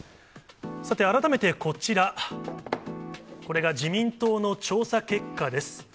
さて改めてこちら、これが自民党の調査結果です。